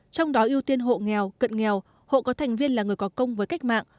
trong đó ưu tiên hộ nghèo cận nghèo hộ có thành viên là người có công với cách mạng